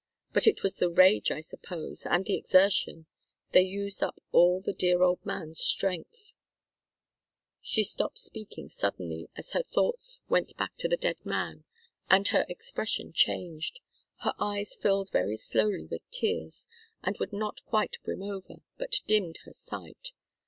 But it was the rage, I suppose, and the exertion they used up all the dear old man's strength " She stopped speaking suddenly as her thoughts went back to the dead man, and her expression changed. Her eyes filled very slowly with tears, that would not quite brim over, but dimmed her sight.